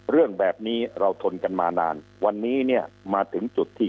เรื่องแบบนี้เราทนกันมานานวันนี้เนี่ยมาถึงจุดที่